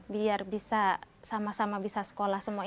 biar bisa sama sama bisa sekolah semua